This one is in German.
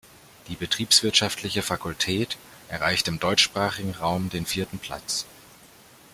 Die Betriebswirtschaftliche Fakultät erreicht im deutschsprachigen Raum den vierten Platz.